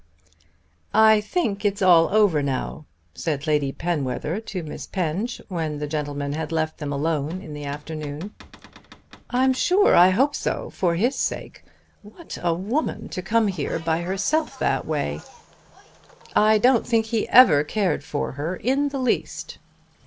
"I think it's all over now," said Lady Penwether to Miss Penge, when the gentlemen had left them alone in the afternoon. "I'm sure I hope so, for his sake. What a woman to come here by herself, in that way!" "I don't think he ever cared for her in the least."